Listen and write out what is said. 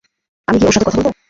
আমি গিয়ে ওর সাথে কথা বলব?